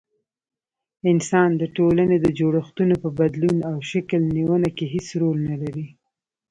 انسان د ټولني د جوړښتونو په بدلون او شکل نيوني کي هيڅ رول نلري